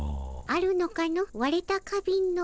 あるのかの？